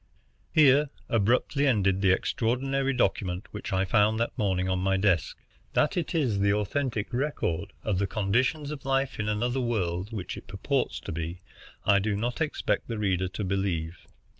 Here abruptly ended the extraordinary document which I found that morning on my desk. That it is the authentic record of the conditions of life in another world which it purports to be I do not expect the reader to believe.